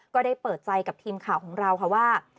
ก็ได้เปิดใจกับทีมข่าวของเราค่ะว่า